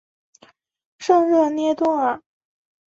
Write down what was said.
圣热涅多尔。